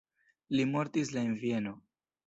Li mortis la en Vieno.